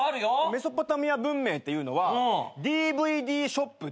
メソポタミア文明っていうのはＤＶＤショップで。